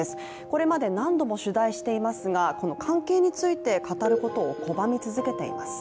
これまで何度も取材していますがこの関係について語ることを拒み続けています